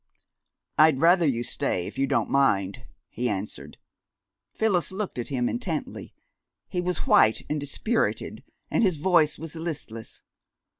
"I'd rather you'd stay, if you don't mind," he answered. Phyllis looked at him intently. He was white and dispirited, and his voice was listless.